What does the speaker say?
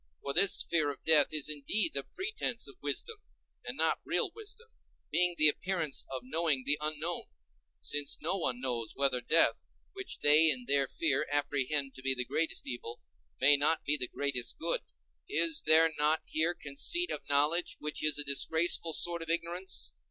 For this fear of death is indeed the pretence of wisdom, and not real wisdom, being the appearance of knowing the unknown; since no one knows whether death, which they in their fear apprehend to be the greatest evil, may not be the greatest good. Is there not here conceit of knowledge, which is a disgraceful sort of ignorance?